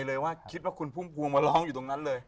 เลยว่าคิดว่าคุณพุ่มพวงมาร้องอยู่ตรงนั้นเลย